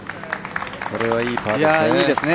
これはいいパーですね。